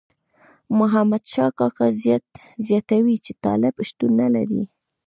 محمد شاه کاکا زیاتوي چې طالب شتون نه لري.